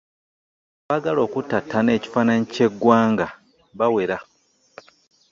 Abaagala okuttattana ekifaananyi ky'eggwanga bawera.